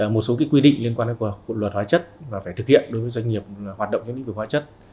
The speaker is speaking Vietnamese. một số cái quy định liên quan đến luật hóa chất mà phải thực hiện đối với doanh nghiệp hoạt động trong những việc hóa chất